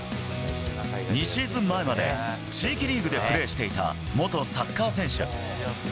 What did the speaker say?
２シーズン前まで、地域リーグでプレーしていた元サッカー選手。